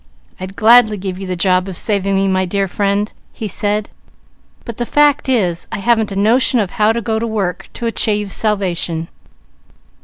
"I'd gladly give you the job of saving me, my dear friend," he said, "but the fact is I haven't a notion of how to go to work to achieve salvation."